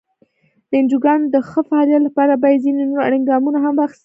د انجوګانو د ښه فعالیت لپاره باید ځینې نور اړین ګامونه هم واخیستل شي.